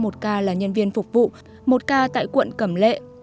một ca là nhân viên phục vụ một ca tại quận cẩm lệ